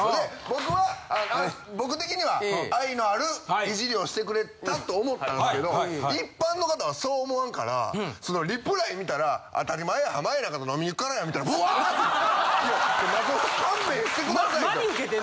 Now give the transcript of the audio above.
僕は僕的には愛のあるイジリをしてくれたと思ったんすけど一般の方はそう思わんからそのリプライ見たら「当たり前や濱家なんかと飲みに行くからや」みたいなブワーって。